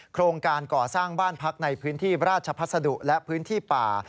โครงการก่อสร้างบ้านพักในพื้นที่ราชพัสดุและพื้นที่ป่า